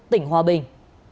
tỉnh hòa bình